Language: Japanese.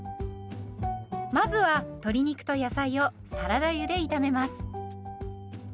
まずは鶏肉と野菜をサラダ油で炒めます。